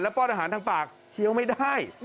ป้อนอาหารทางปากเคี้ยวไม่ได้